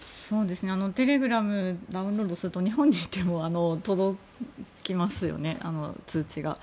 テレグラムをダウンロードすると日本にいても届きますよね通知が。